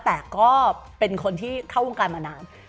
แต่ก็เป็นคนที่เข้าวงการมานาน